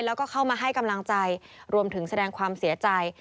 แล้วก็เข้ามาให้กำลังใจรวมถึงแสดงความเสียใจ